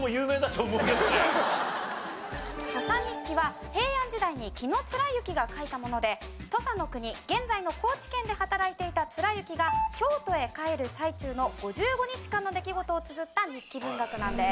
『土佐日記』は平安時代に紀貫之が書いたもので土佐の国現在の高知県で働いていた貫之が京都へ帰る最中の５５日間の出来事をつづった日記文学なんです。